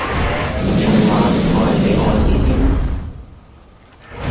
仲話我係你愛子添？